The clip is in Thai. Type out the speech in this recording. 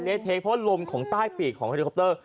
เพราะลมของใต้ปีกของคอริคอปเตอร์